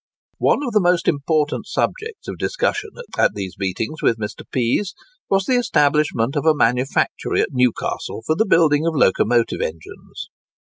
One of the most important subjects of discussion at these meetings with Mr. Pease, was the establishment of a manufactory at Newcastle for the building of locomotive engines.